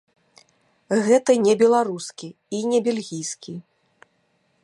Гэта не беларускі і не бельгійкі.